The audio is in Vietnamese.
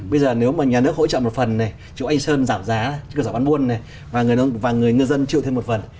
bây giờ nếu mà nhà nước hỗ trợ một phần chủ anh sơn giảm giá cửa sổ văn buôn và người ngư dân chịu thêm một phần